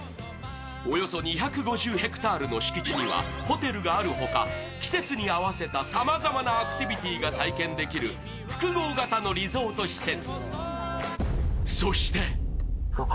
およそ２５０ｈａの敷地にはホテルがあるほか、季節に合わせたさまざまなアクティビティーが体験できる複合型のリゾート施設。